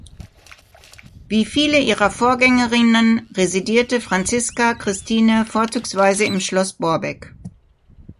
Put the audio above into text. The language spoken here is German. Wie viele ihrer Vorgängerinnen residierte Franziska Christine vorzugsweise im Schloss Borbeck.